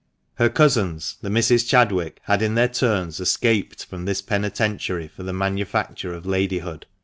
Her cousins, the Misses Chadwick, had in their turns escaped from this penitentiary for the manufacture of ladyhood.